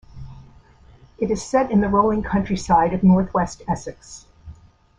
It is set in the rolling countryside of north west Essex.